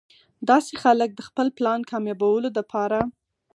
داسې خلک د خپل پلان کاميابولو د پاره